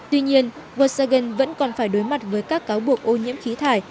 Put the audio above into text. tuy nhiên washington vẫn còn phải đối mặt với các cáo buộc ô nhiễm khí thải